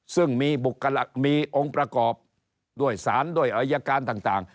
ซึ่งมีองค์ประกอบด้วยสารด้วยอายการต่าง